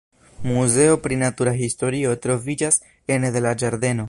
Muzeo pri natura historio troviĝas ene de la ĝardeno.